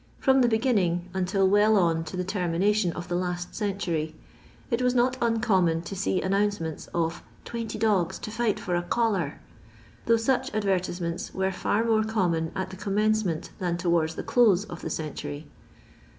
From the beginning, until well on to the termination of the last century, it was not uncommon to see announcements of " twenty dogs to fight for a collar," though such advertise ments were far more common at the commence ment than towards the close of the century.